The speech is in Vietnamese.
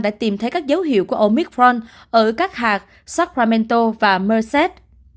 đã tìm thấy các dấu hiệu của omicron ở các hạt sacramento và merced